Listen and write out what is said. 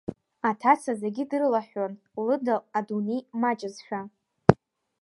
Аҭаца зегьы дрылыҳәҳәон, лыда адунеи маҷызшәа.